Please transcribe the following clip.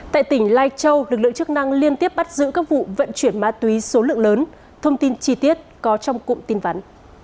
tại tỉnh lai châu lực lượng chức năng liên tiếp bắt giữ các vụ vận chuyển ma túy số lượng lớn thông tin chi tiết có trong cụm tin vắn